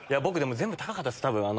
全部高かったです多分。